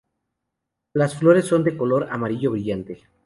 Las flores son de color amarillo brillante.